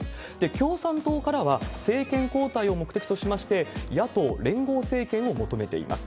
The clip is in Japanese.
共産党からは政権交代を目的としまして、野党連合政権を求めています。